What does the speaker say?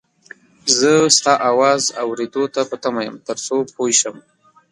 زه ستا اواز اورېدو ته په تمه یم تر څو پوی شم